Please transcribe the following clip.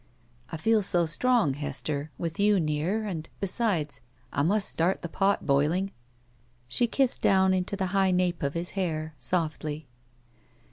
"I feel so strong, Hester, with you near, and, besides, I must start the i)ot boiling." She kissed down into the high nap of his hair, softly.